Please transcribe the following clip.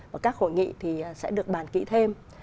và các hội nghị thì sẽ được bàn kỹ thêm